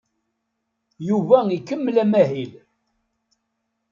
Yuba ikemmel amahil.